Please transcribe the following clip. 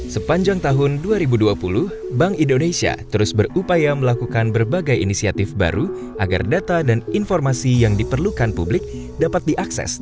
sepanjang tahun dua ribu dua puluh bank indonesia terus berupaya melakukan berbagai inisiatif baru agar data dan informasi yang diperlukan publik dapat diakses